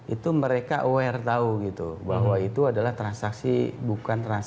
itu mereka aware tau gitu bahwa itu adalah transaksi bukan transaksi untuk barang atau jasa